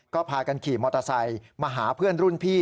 ก็พากันขี่มอเตอร์ไซค์มาหาเพื่อนรุ่นพี่